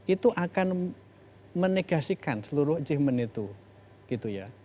itu akan menegasikan seluruh achievement itu